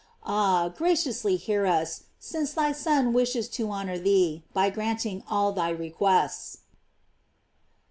Ah, graciously hear us, since thy Son wishes to honor thee, by granting all thy requests.